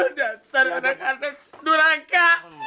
udah sani anak anak lo raga